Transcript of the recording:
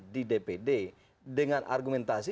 di dpd dengan argumentasi